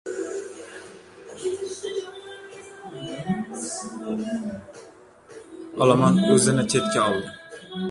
Olomon o‘zini chetga oldi.